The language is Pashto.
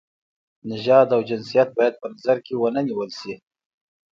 نژاد او جنسیت باید په نظر کې ونه نیول شي.